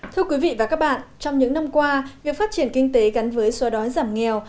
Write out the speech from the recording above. thưa quý vị và các bạn trong những năm qua việc phát triển kinh tế gắn với xoa đói giảm nghèo